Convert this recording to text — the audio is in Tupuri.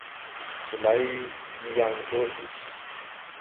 Solay yàŋ dɔɔ ɓi.